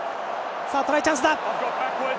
さあ、トライチャンスだ！